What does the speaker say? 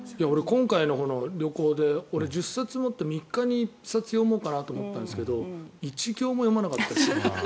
今回の旅行で俺、１０冊持って３日に１冊読もうと思ったんですが１行も読まなかったです。